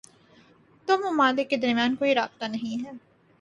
دو ممالک کے درمیان کوئی رابطہ نہیں ہے